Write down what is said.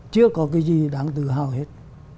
chưa có cái gì đáng tự hào hết